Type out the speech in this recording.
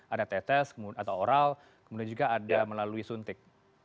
ada tetes atau oral kemudian juga ada melalui suntik